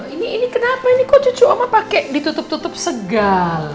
ini ini kenapa ini kok cucu mama pakai ditutup tutup segala